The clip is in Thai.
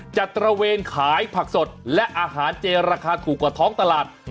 ตระเวนขายผักสดและอาหารเจราคาถูกกว่าท้องตลาด